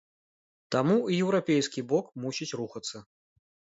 Таму і еўрапейскі бок мусіць рухацца.